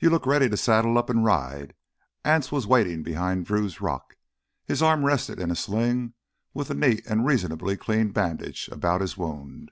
"You look ready to up saddle 'n ride." Anse was waiting behind Drew's rock. His arm rested in a sling with a neat and reasonably clean bandage about his wound.